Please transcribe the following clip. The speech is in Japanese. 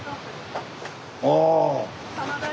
ああ。